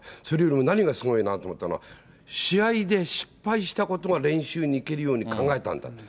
それよりも何がすごいなと思ったのは、試合で失敗したことが練習に生きるように考えたんだ。